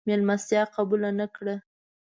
مېلمستیا قبوله نه کړه.